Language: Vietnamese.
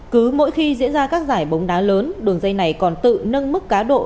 cứ mỗi khi diễn ra các giải bóng đá lớn đường dây này còn tự nâng mức cá độ